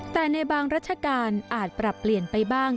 แต่ในบางราชการอาจปรับเปลี่ยนไปบ้าง